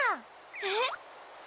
えっ？